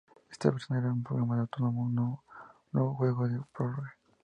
Esta versión era un programa autónomo; no hubo juegos de prórroga.